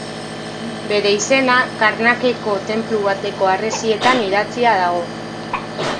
Bere izena, Karnakeko tenplu bateko harresietan idatzia dago.